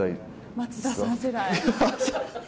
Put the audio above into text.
松田さん世代。